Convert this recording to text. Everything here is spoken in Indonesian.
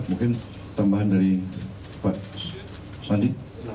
mungkin tambahan dari pak sandi